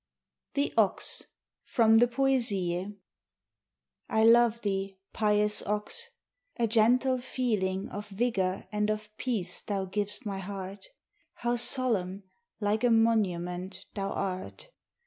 THE OX From the 'Poesie' I love thee, pious ox; a gentle feeling Of vigor and of peace thou giv'st my heart. How solemn, like a monument, thou art!